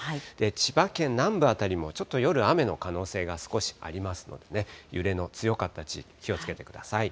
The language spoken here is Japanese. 千葉県南部辺りも、ちょっと夜、雨の可能性が少しありますので、揺れの強かった地域、気をつけてください。